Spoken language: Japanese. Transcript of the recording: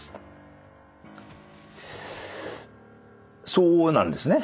そうなんですね。